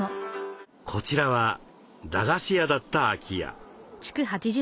こちらは駄菓子屋だった空き家。